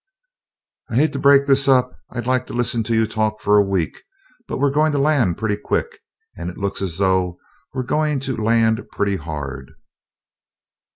"I hate to break this up I'd like to listen to you talk for a week but we're going to land pretty quick, and it looks as though we were going to land pretty hard."